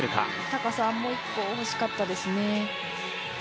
高さもう一個ほしかったですね。